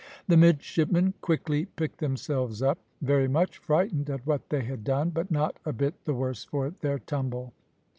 The midshipmen quickly picked themselves up, very much frightened at what they had done, but not a bit the worse for their tumble.